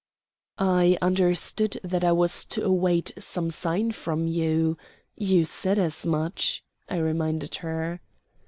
"I understood that I was to await some sign from you. You said as much," I reminded her.